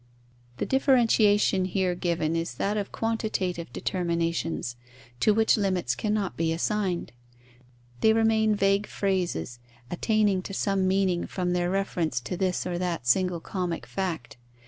The differentiation here given is that of quantitative determinations, to which limits cannot be assigned. They remain vague phrases, attaining to some meaning from their reference to this or that single comic fact.